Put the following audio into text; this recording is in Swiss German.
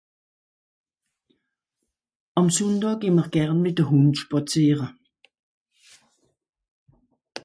àm Sundàà geh m'r gern mìt'de Hùnd spàziere